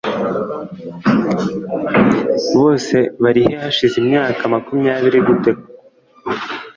Bose barihe hashize imyaka makumyabiri gute koko